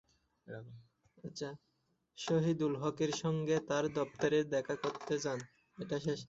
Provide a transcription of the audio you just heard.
শহীদুল হকের সঙ্গে তাঁর দপ্তরে দেখা করতে যান।